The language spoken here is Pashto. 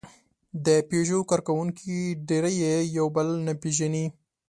د پيژو کارکوونکي ډېری یې یو بل نه پېژني.